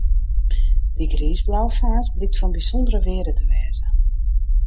Dy griisblauwe faas blykt fan bysûndere wearde te wêze.